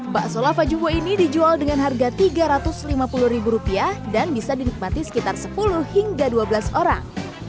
bakso lava jubo ini dijual dengan harga tiga ratus lima puluh dan bisa dinikmati sekitar sepuluh hingga dua belas orang